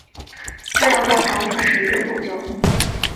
自由党掌权的时日不久。